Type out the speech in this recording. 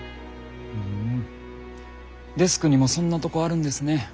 ふんデスクにもそんなとこあるんですね。